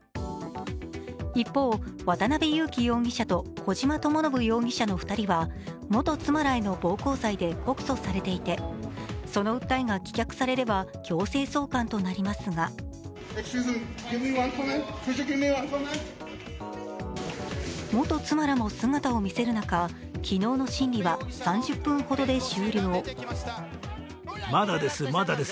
一方、渡辺優樹容疑者と小島智信容疑者の２人は元妻らへの暴行罪で告訴されていて、その訴えが棄却されれば強制送還となりますが元妻らも姿を見せる中、昨日の審理は３０分ほどで終了。